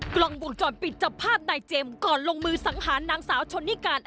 กล้องวงจรปิดจับภาพนายเจมส์ก่อนลงมือสังหารนางสาวชนนิการ